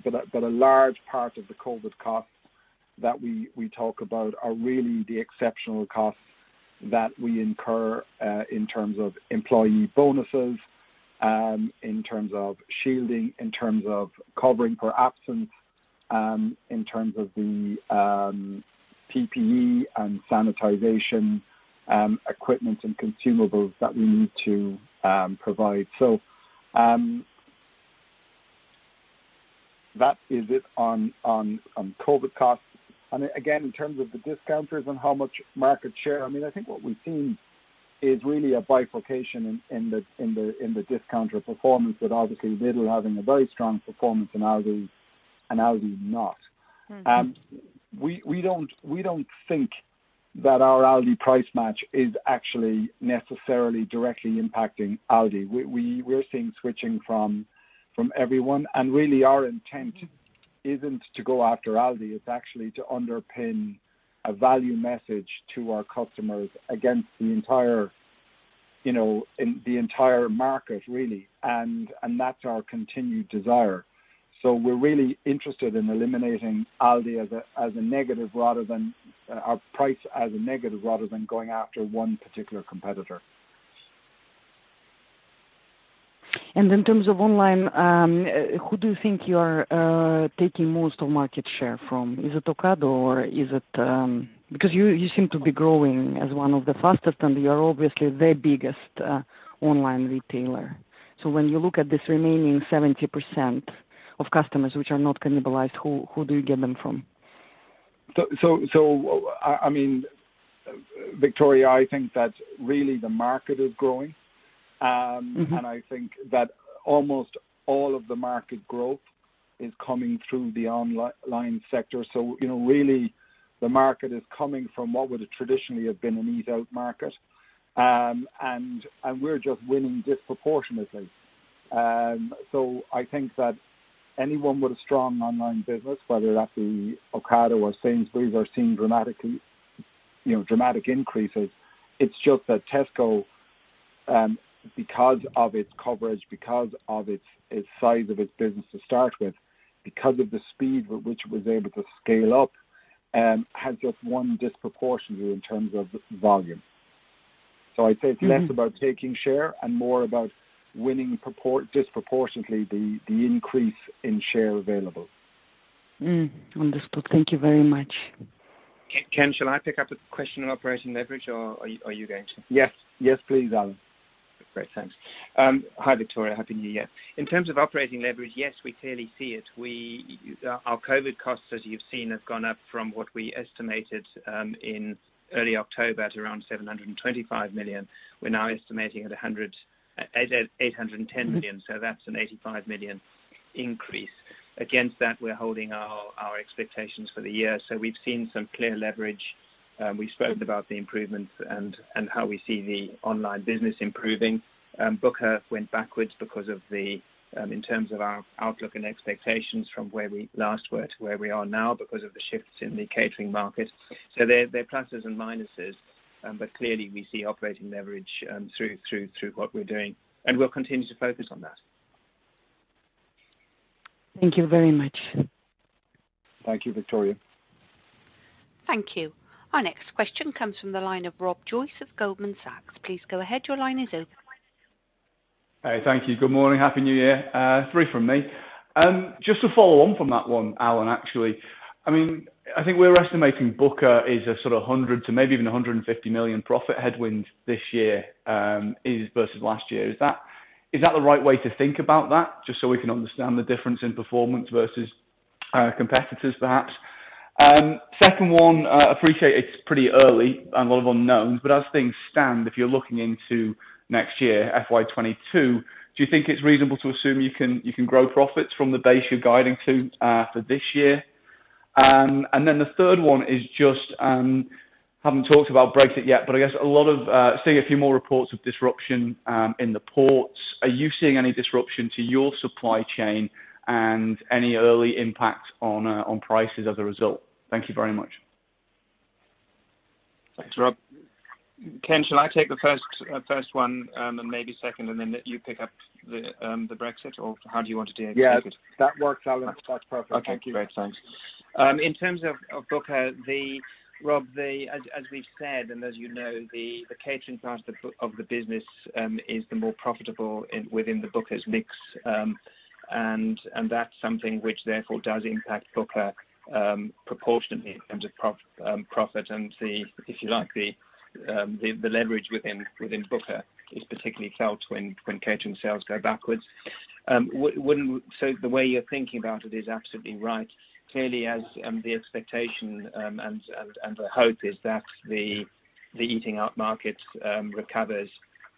a large part of the COVID costs that we talk about are really the exceptional costs that we incur in terms of employee bonuses, in terms of shielding, in terms of covering for absence, in terms of the PPE and sanitization equipment and consumables that we need to provide. That is it on COVID costs. Again, in terms of the discounters and how much market share, I think what we've seen is really a bifurcation in the discounter performance with obviously Lidl having a very strong performance and Aldi not. We don't think that our Aldi Price Match is actually necessarily directly impacting Aldi. We're seeing switching from everyone. Really our intent isn't to go after Aldi, it's actually to underpin a value message to our customers against the entire market really. That's our continued desire. We're really interested in eliminating Aldi as a negative rather than our price as a negative rather than going after one particular competitor. In terms of online, who do you think you are taking most of market share from? Is it Ocado or is it because you seem to be growing as one of the fastest and you're obviously the biggest online retailer? When you look at this remaining 70% of customers which are not cannibalized, who do you get them from? I mean, Victoria, I think that really the market is growing. I think that almost all of the market growth is coming through the online sector. Really the market is coming from what would traditionally have been an eat-out market, and we're just winning disproportionately. I think that anyone with a strong online business, whether that's Ocado or Sainsbury's, are seeing dramatic increases. It's just that Tesco, because of its coverage, because of its size of its business to start with, because of the speed at which it was able to scale up, has just won disproportionately in terms of volume. I'd say it's less about taking share and more about winning disproportionately the increase in share available. Understood. Thank you very much. Ken, shall I pick up the question on operational leverage or are you going to? Yes, please, Alan. Great. Thanks. Hi, Victoria. Happy New Year. In terms of operating leverage, yes, we clearly see it. Our COVID costs, as you've seen, have gone up from what we estimated in early October at around 725 million. We're now estimating at 810 million. That's an 85 million increase. Against that, we're holding our expectations for the year. We've seen some clear leverage. We've spoken about the improvements and how we see the online business improving. Booker went backwards in terms of our outlook and expectations from where we last were to where we are now because of the shifts in the catering market. There are pluses and minuses, clearly we see operating leverage through what we're doing, and we'll continue to focus on that. Thank you very much. Thank you, Victoria. Thank you. Our next question comes from the line of Rob Joyce of Goldman Sachs. Please go ahead. Your line is open. Hey, thank you. Good morning. Happy New Year. Three from me. Just to follow on from that one, Alan, actually. I think we're estimating Booker is a sort of 100 million to maybe even 150 million profit headwind this year is versus last year. Is that the right way to think about that? Just so we can understand the difference in performance versus competitors perhaps. Second one, I appreciate it's pretty early and a lot of unknowns, but as things stand if you're looking into next year, FY 2022, do you think it's reasonable to assume you can grow profits from the base you're guiding to for this year? Then the third one is just, haven't talked about Brexit yet, but I guess a lot of seeing a few more reports of disruption in the ports. Are you seeing any disruption to your supply chain and any early impact on prices as a result? Thank you very much. Thanks, Rob. Ken, shall I take the first one and maybe second, and then you pick up the Brexit? How do you want to do it? Yes. That works, Alan. That's perfect. Thank you. Okay, great. Thanks. In terms of Booker, Rob, as we've said and as you know, the catering part of the business is the more profitable within the Booker's mix. That's something which therefore does impact Booker proportionately in terms of profit and the, if you like, the leverage within Booker is particularly felt when catering sales go backwards. The way you're thinking about it is absolutely right. Clearly, as the expectation and the hope is that the eating out market recovers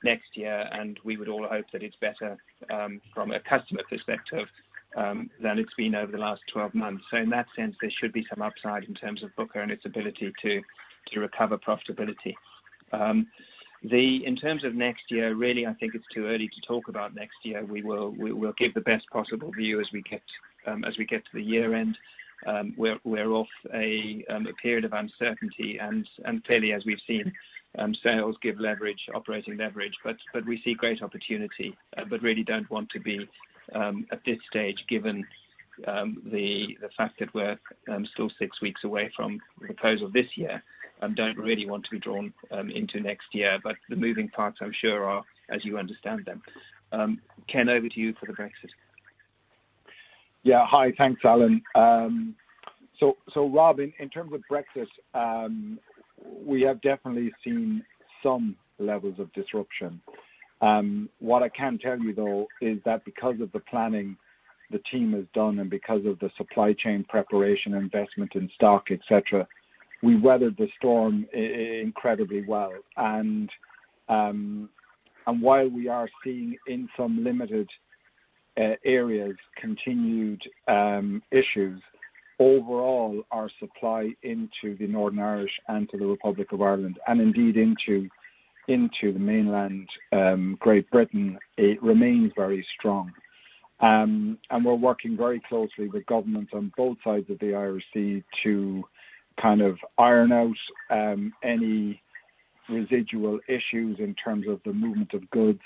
next year, and we would all hope that it's better from a customer perspective than it's been over the last 12 months. In that sense, there should be some upside in terms of Booker and its ability to recover profitability. In terms of next year, really, I think it's too early to talk about next year. We'll give the best possible view as we get to the year end. We're off a period of uncertainty and clearly as we've seen, sales give leverage, operating leverage, but we see great opportunity. Really don't want to be at this stage given the fact that we're still six weeks away from close of this year and don't really want to be drawn into next year. The moving parts I'm sure are as you understand them. Ken, over to you for the Brexit. Yeah. Hi. Thanks, Alan. Rob, in terms of Brexit, we have definitely seen some levels of disruption. What I can tell you, though, is that because of the planning the team has done and because of the supply chain preparation, investment in stock, et cetera, we weathered the storm incredibly well. While we are seeing in some limited areas continued issues, overall, our supply into the Northern Irish and to the Republic of Ireland, and indeed into the mainland Great Britain, it remains very strong. We're working very closely with governments on both sides of the Irish Sea to iron out any residual issues in terms of the movement of goods,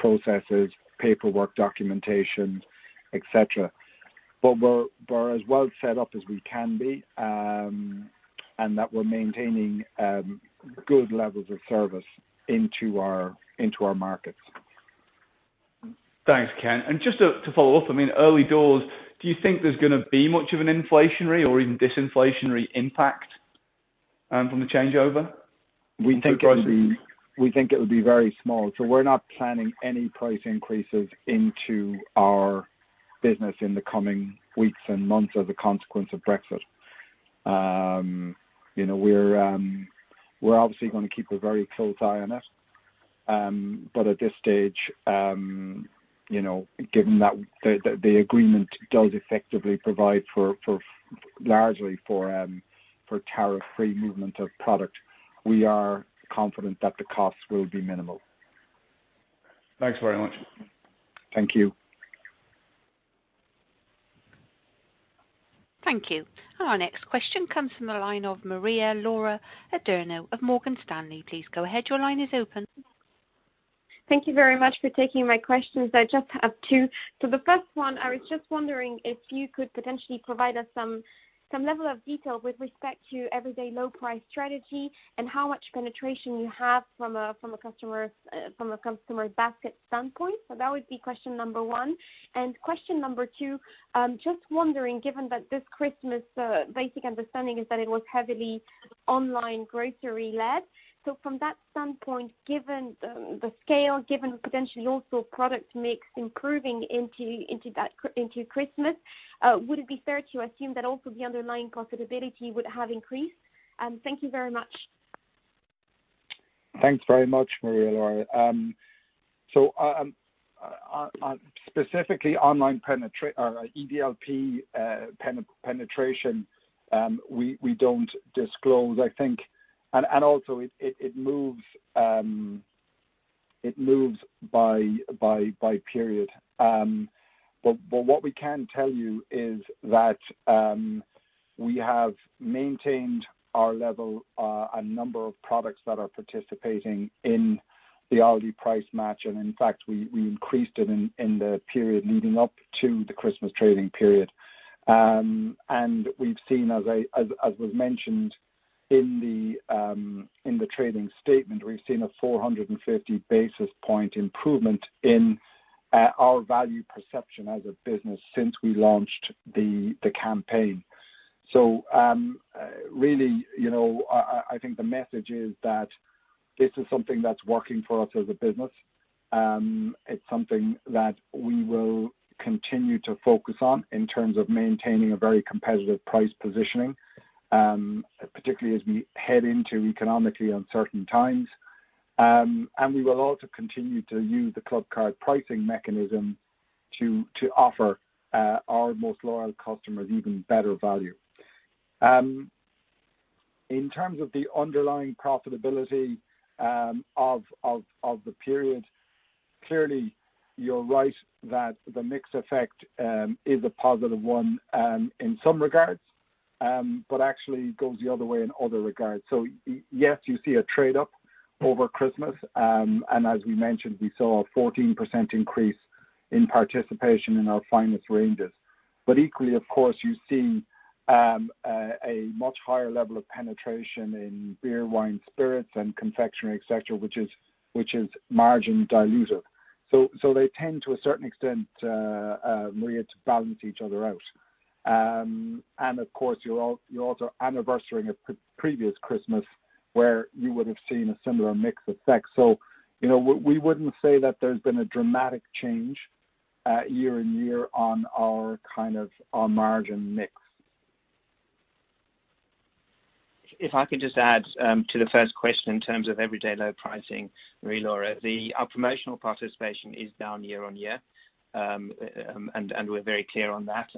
processes, paperwork, documentation, et cetera. We're as well set up as we can be, and that we're maintaining good levels of service into our markets. Thanks, Ken. Just to follow up, early doors, do you think there's going to be much of an inflationary or even disinflationary impact from the changeover into Brexit? We think it would be very small. We're not planning any price increases into our business in the coming weeks and months as a consequence of Brexit. We're obviously going to keep a very close eye on it. At this stage, given that the agreement does effectively provide largely for tariff-free movement of product, we are confident that the costs will be minimal. Thanks very much. Thank you. Thank you. Our next question comes from the line of Maria-Laura Adurno of Morgan Stanley. Please go ahead. Your line is open. Thank you very much for taking my questions. I just have two. The first one, I was just wondering if you could potentially provide us some level of detail with respect to Everyday Low Price strategy and how much penetration you have from a customer basket standpoint. That would be question number one. Question number two, just wondering, given that this Christmas basic understanding is that it was heavily online grocery-led. From that standpoint, given the scale, given potentially also product mix improving into Christmas, would it be fair to assume that also the underlying profitability would have increased? Thank you very much. Thanks very much, Maria-Laura. Specifically, EDLP penetration, we don't disclose, I think. Also, it moves by period. What we can tell you is that we have maintained our level, a number of products that are participating in the Aldi Price Match, and in fact, we increased it in the period leading up to the Christmas trading period. We've seen, as was mentioned in the trading statement, we've seen a 450 basis point improvement in our value perception as a business since we launched the campaign. Really, I think the message is that this is something that's working for us as a business. It's something that we will continue to focus on in terms of maintaining a very competitive price positioning, particularly as we head into economically uncertain times. We will also continue to use the Clubcard pricing mechanism to offer our most loyal customers even better value. In terms of the underlying profitability of the period, clearly you're right that the mix effect is a positive one in some regards. Actually, it goes the other way in other regards. Yes, you see a trade-up over Christmas, and as we mentioned, we saw a 14% increase in participation in our Finest ranges. Equally, of course, you've seen a much higher level of penetration in beer, wine, spirits, and confectionery, et cetera, which is margin dilutive. They tend, to a certain extent, Maria, to balance each other out. Of course, you're also anniversarying a previous Christmas where you would have seen a similar mix effect. We wouldn't say that there's been a dramatic change year-on-year on our margin mix. If I could just add to the first question in terms of everyday low pricing, Maria-Laura. Our promotional participation is down year-over-year, and we're very clear on that.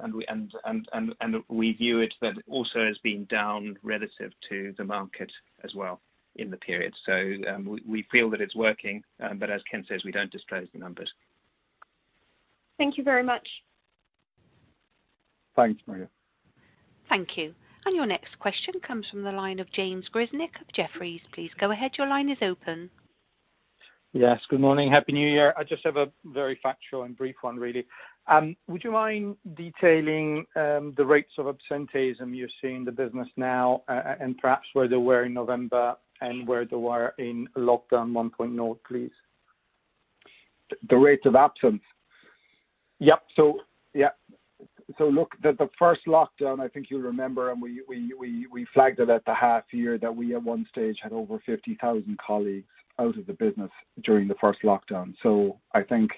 We view it that also as being down relative to the market as well in the period. We feel that it's working, but as Ken says, we don't disclose the numbers. Thank you very much. Thanks, Maria. Thank you. Your next question comes from the line of James Grzinic of Jefferies. Please go ahead. Your line is open. Yes. Good morning. Happy New Year. I just have a very factual and brief one, really. Would you mind detailing the rates of absenteeism you see in the business now, and perhaps where they were in November and where they were in lockdown 1.0, please? The rates of absence. Yes. The first lockdown, I think you'll remember, and we flagged it at the half year that we at one stage had over 50,000 colleagues out of the business during the first lockdown. I think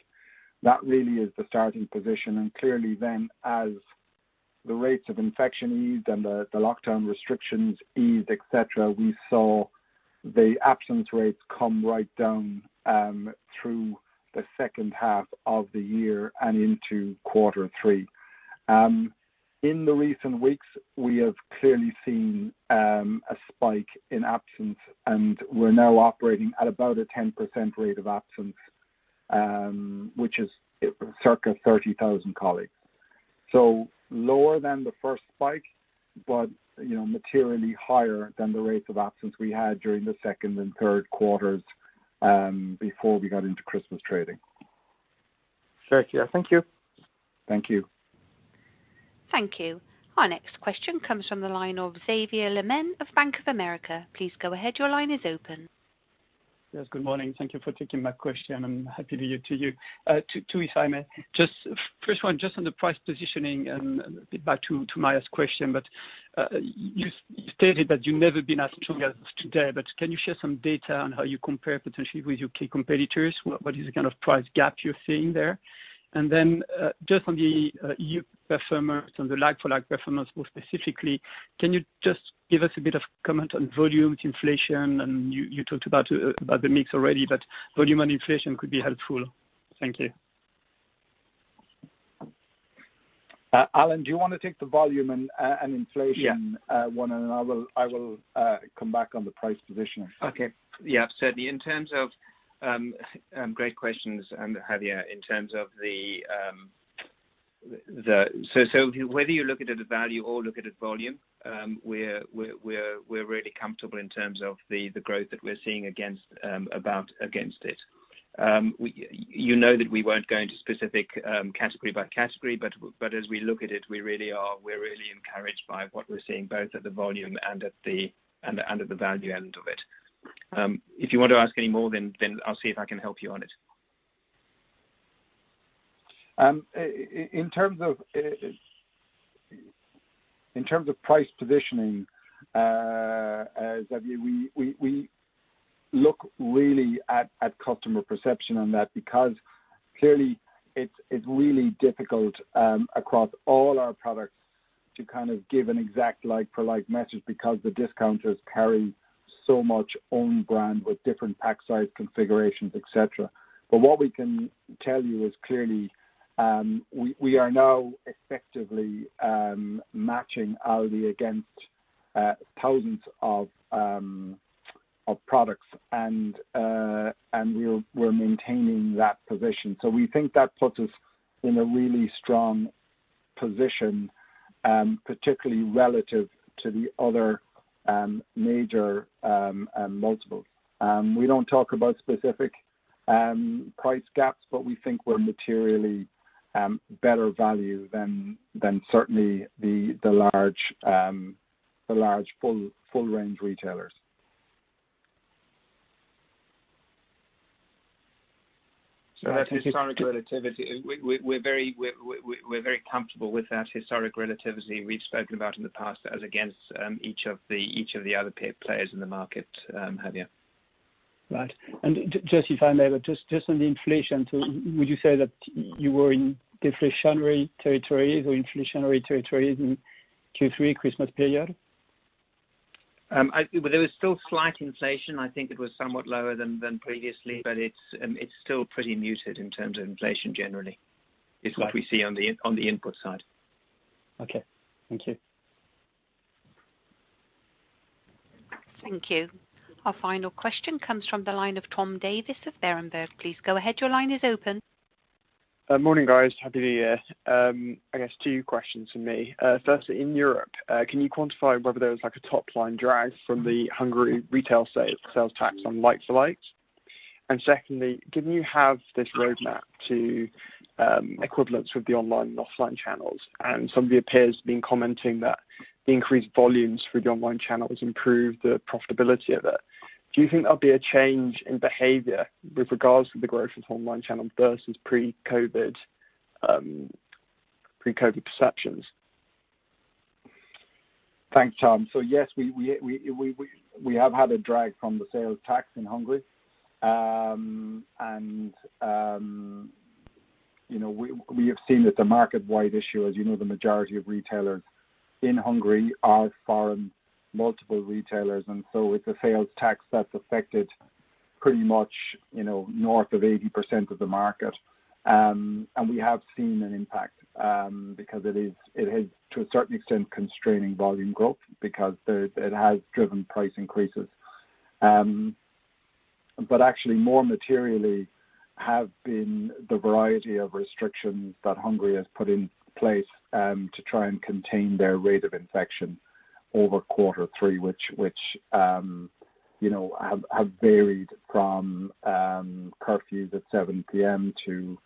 that really is the starting position. Clearly then as the rates of infection eased and the lockdown restrictions eased, et cetera, we saw the absence rates come right down through the second half of the year and into quarter three. In the recent weeks, we have clearly seen a spike in absence, and we're now operating at about a 10% rate of absence, which is circa 30,000 colleagues. Lower than the first spike, but materially higher than the rates of absence we had during the second and third quarters, before we got into Christmas trading. Sure. Yeah. Thank you. Thank you. Thank you. Our next question comes from the line of Xavier Le Mené of Bank of America. Yes, good morning. Thank you for taking my question. Happy New Year to you. Two if I may. First one, just on the price positioning and a bit back to Maria's question. You stated that you've never been as strong as today, but can you share some data on how you compare potentially with your key competitors? What is the kind of price gap you're seeing there? Then, just on the EU performance and the like for like performance more specifically, can you just give us a bit of comment on volume inflation and you talked about the mix already, but volume and inflation could be helpful. Thank you. Alan, do you want to take the volume and inflation. Yeah I will come back on the price positioning. Okay. Yeah. Great questions, Xavier. Whether you look at it at value or look at it volume, we're really comfortable in terms of the growth that we're seeing against it. You know that we won't go into specific category by category, but as we look at it, we're really encouraged by what we're seeing both at the volume and at the value end of it. If you want to ask any more, then I'll see if I can help you on it. In terms of price positioning, Xavier, we look really at customer perception on that, because clearly it's really difficult across all our products to give an exact like for like message because the discounters carry so much own brand with different pack size configurations, et cetera. What we can tell you is clearly, we are now effectively matching Aldi against thousands of products and we're maintaining that position. We think that puts us in a really strong position, particularly relative to the other major multiples. We don't talk about specific price gaps, but we think we're materially better value than certainly the large, full range retailers. We're very comfortable with that historic relativity we've spoken about in the past as against each of the other players in the market, Xavier. Right. Just if I may, but just on the inflation too, would you say that you were in deflationary territory or inflationary territory in Q3 Christmas period? There was still slight inflation. I think it was somewhat lower than previously. It's still pretty muted in terms of inflation generally is what we see on the input side. Okay. Thank you. Thank you. Our final question comes from the line of Tom Davies of Berenberg. Please go ahead. Your line is open. Morning, guys. Happy New Year. I guess two questions from me. First in Europe, can you quantify whether there was like a top line drag from the Hungary retail sales tax on like to likes? Secondly, given you have this roadmap to equivalence with the online and offline channels and some of your peers have been commenting that the increased volumes through the online channels improve the profitability of it. Do you think there will be a change in behavior with regards to the groceries online channel versus pre-COVID-19 perceptions? Thanks, Tom. Yes, we have had a drag from the sales tax in Hungary. We have seen it's a market-wide issue. As you know, the majority of retailers in Hungary are foreign multiple retailers, it's a sales tax that's affected pretty much north of 80% of the market. We have seen an impact, because it is to a certain extent constraining volume growth because it has driven price increases. Actually more materially have been the variety of restrictions that Hungary has put in place to try and contain their rate of infection over Q3, which have varied from curfews at 7:00 P.M. to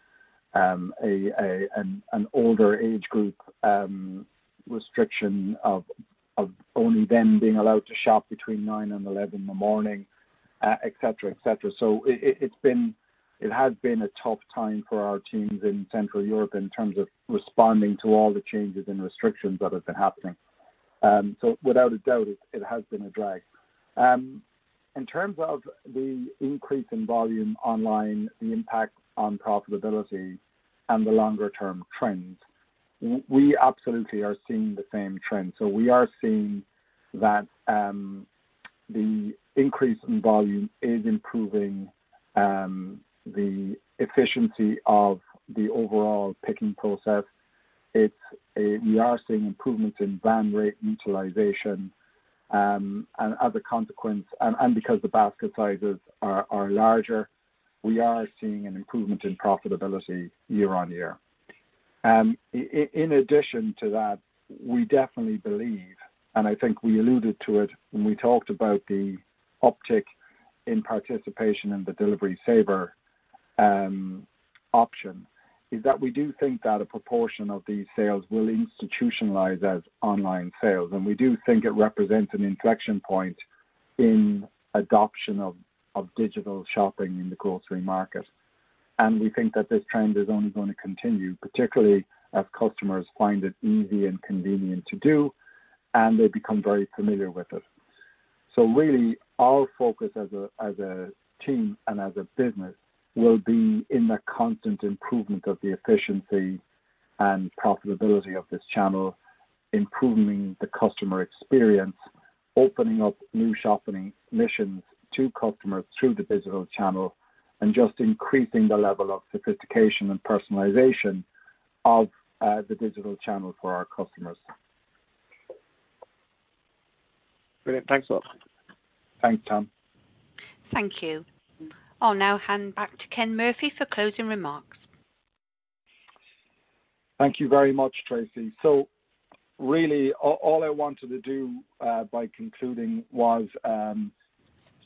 an older age group restriction of only them being allowed to shop between 9:00 and 11:00 in the morning, et cetera. It has been a tough time for our teams in Central Europe in terms of responding to all the changes and restrictions that have been happening. Without a doubt, it has been a drag. In terms of the increase in volume online, the impact on profitability and the longer term trends, we absolutely are seeing the same trend. We are seeing that the increase in volume is improving the efficiency of the overall picking process. We are seeing improvements in van rate utilization, and as a consequence, and because the basket sizes are larger, we are seeing an improvement in profitability year-on-year. In addition to that, we definitely believe, and I think we alluded to it when we talked about the uptick in participation in the Delivery Saver option, is that we do think that a proportion of these sales will institutionalize as online sales. We do think it represents an inflection point in adoption of digital shopping in the grocery market. We think that this trend is only going to continue, particularly as customers find it easy and convenient to do, and they become very familiar with it. Really, our focus as a team and as a business will be in the constant improvement of the efficiency and profitability of this channel, improving the customer experience, opening up new shopping missions to customers through the digital channel, and just increasing the level of sophistication and personalization of the digital channel for our customers. Brilliant. Thanks a lot. Thanks, Tom. Thank you. I'll now hand back to Ken Murphy for closing remarks. Thank you very much, Tracy. Really, all I wanted to do by concluding was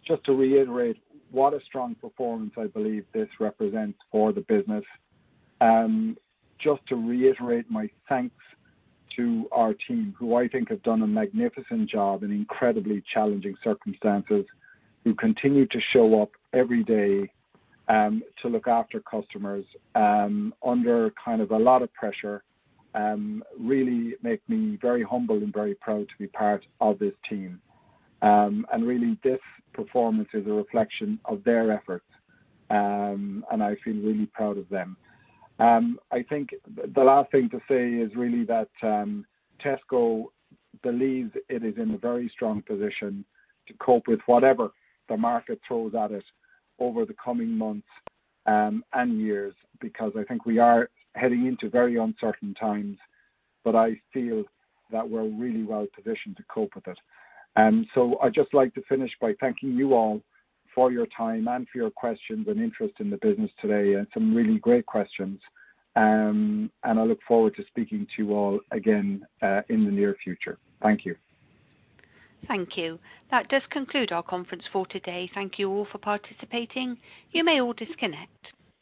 just to reiterate what a strong performance I believe this represents for the business. Just to reiterate my thanks to our team, who I think have done a magnificent job in incredibly challenging circumstances, who continue to show up every day to look after customers under a lot of pressure really make me very humbled and very proud to be part of this team. Really, this performance is a reflection of their efforts. I feel really proud of them. I think the last thing to say is really that Tesco believes it is in a very strong position to cope with whatever the market throws at us over the coming months and years, because I think we are heading into very uncertain times, but I feel that we're really well positioned to cope with it. I'd just like to finish by thanking you all for your time and for your questions and interest in the business today, and some really great questions. I look forward to speaking to you all again in the near future. Thank you. Thank you. That does conclude our conference for today. Thank you all for participating. You may all disconnect.